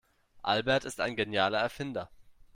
Albert ist ein genialer Erfinder.